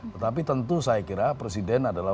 tetapi tentu saya kira presiden adalah